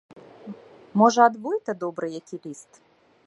Можа, ад войта добры які ліст.